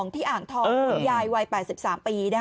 อ่างทองคุณยายวัย๘๓ปี